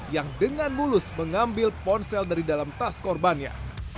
yang dengan mulus mengambil ponsel dari dalam tas korbannya